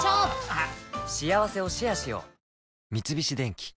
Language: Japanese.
あっ。